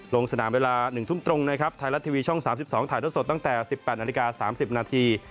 ลงสนามเวลา๑ทุ่มตรงนะครับไทยรัฐทีวีช่อง๓๒ถ่ายท่อสดตั้งแต่๑๘นาฬิกา๓๐นาที